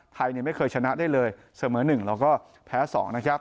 ไทยไม่เคยชนะได้เลยเสมอ๑แล้วก็แพ้๒นะครับ